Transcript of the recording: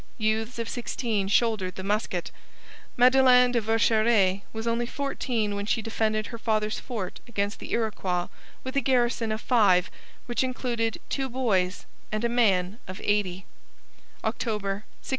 Youths of sixteen shouldered the musket. Madeleine de Vercheres was only fourteen when she defended her father's fort against the Iroquois with a garrison of five, which included two boys and a man of eighty (October 1692).